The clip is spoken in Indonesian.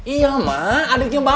iya mak adiknya bapak